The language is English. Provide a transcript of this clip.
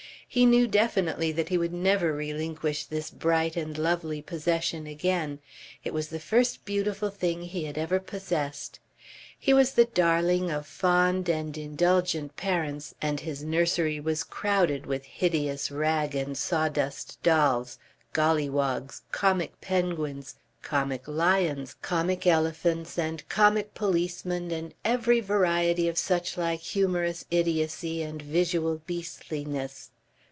He knew definitely that he would never relinquish this bright and lovely possession again. It was the first beautiful thing he had ever possessed. He was the darling of fond and indulgent parents and his nursery was crowded with hideous rag and sawdust dolls, golliwogs, comic penguins, comic lions, comic elephants and comic policemen and every variety of suchlike humorous idiocy and visual beastliness.